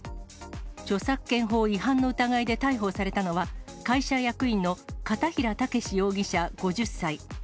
著作権法違反の疑いで逮捕されたのは、会社役員の片平武容疑者５０歳。